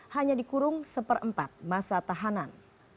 hanya dikurung seperempat masa tahanan